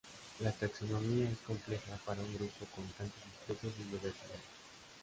La taxonomía es compleja para un grupo con tantas especies y diversidad.